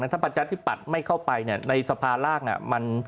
ถ้าปัจจัยที่ปัดไม่เข้าไปในสภาลาก